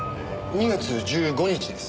２月１５日です。